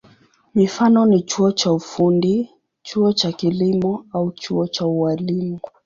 Mifano ni chuo cha ufundi, chuo cha kilimo au chuo cha ualimu.